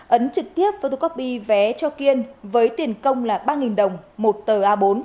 ấn trực tiếp futocopy vé cho kiên với tiền công là ba đồng một tờ a bốn